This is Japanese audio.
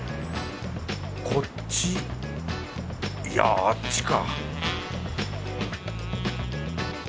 こっちいやあっちか